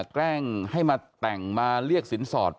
แกล้งให้มาแต่งมาเรียกสินสอด